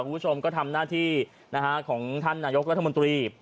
คุณผู้ชมก็ทำหน้าที่ของท่านนายกรัฐมนตรี